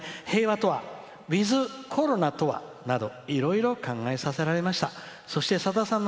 平和とはウィズコロナとはなどいろいろ考えさせられました。